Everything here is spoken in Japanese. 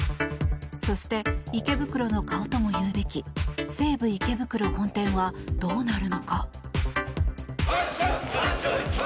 そして、池袋の顔とも言うべき西武池袋本店はどうなるのか。